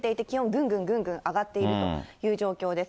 ぐんぐんぐんぐん上がってるという状況です。